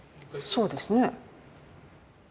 そうですね。